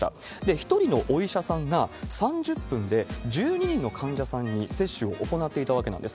１人のお医者さんが３０分で１２人の患者さんに接種を行っていたわけなんです。